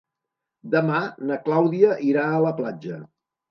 Demà na Clàudia irà a la platja.